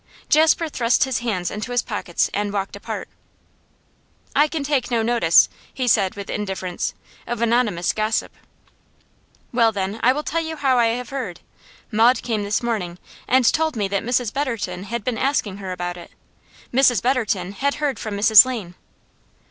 Jasper thrust his hands into his pockets and walked apart. 'I can take no notice,' he said with indifference, 'of anonymous gossip.' 'Well, then, I will tell you how I have heard. Maud came this morning, and told me that Mrs Betterton had been asking her about it. Mrs Betterton had heard from Mrs Lane.